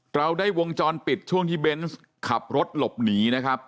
เราได้วงจรปิดช่วงที่เบนส์ขับรถหลบหนีนะครับ